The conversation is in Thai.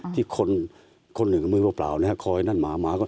ที่คนอย่างมือเปล่าคอยนั้นหมา